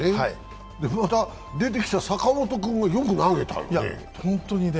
また出てた坂本君がよく投げたよね。